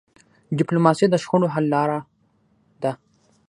ډيپلوماسي د شخړو حل لاره ده.